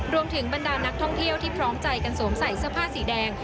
บรรดานักท่องเที่ยวที่พร้อมใจกันสวมใส่เสื้อผ้าสีแดง